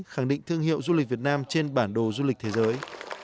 khẳng định thương hiệu du lịch việt nam trên bản đồ du lịch thế giới